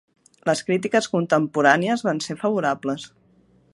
Les crítiques contemporànies van ser favorables.